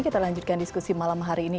kita lanjutkan diskusi malam hari ini